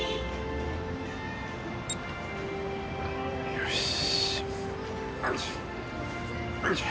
よし。